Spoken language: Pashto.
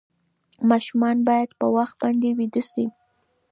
ماشومان باید په وخت باندې ویده شي.